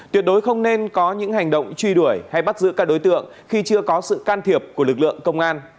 tuyệt đối không nên có những hành động truy đuổi hay bắt giữ các đối tượng khi chưa có sự can thiệp của lực lượng công an